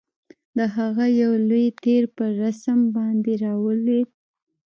د هغه یو لوی تیر پر رستم باندي را ولوېد.